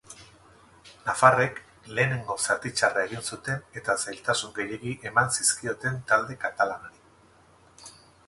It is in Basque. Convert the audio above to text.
Nafarrek lehenengo zati txarra egin zuten eta zailtasun gehiegi eman zizkioten talde katalanari.